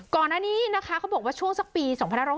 ก่อนหน้านี้นะคะเขาบอกว่าช่วงสักปี๒๕๖๐